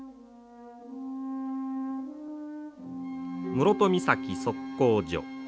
室戸岬測候所。